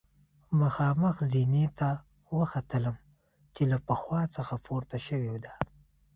مخامخ زینې ته وختلم چې له پخوا څخه پورته شوې ده.